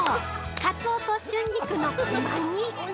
カツオと春菊のうま煮。